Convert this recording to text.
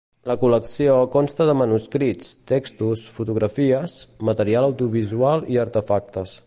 La col.lecció consta de manuscrits, textos, fotografies, material audiovisual i artefactes.